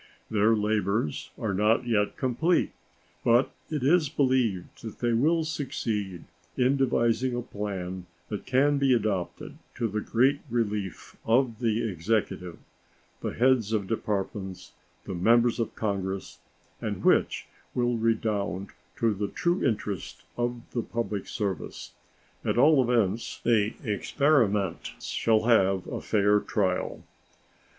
Their labors are not yet complete, but it is believed that they will succeed in devising a plan that can be adopted to the great relief of the Executive, the heads of Departments, and members of Congress, and which will redound to the true interest of the public service. At all events, the experiment shall have a fair trial.